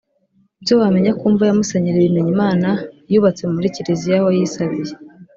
Ibyo wamenya ku mva ya Musenyeri Bimenyimana yubatse mu Kiliziya aho yisabiye